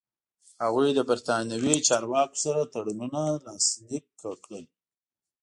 هغوی له برېټانوي چارواکو سره تړونونه لاسلیک کړل.